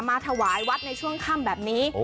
ถวายวัดในช่วงค่ำแบบนี้